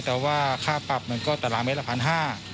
แต่ว่าค่าปรับมันก็แต่ละเมตรละพันห้า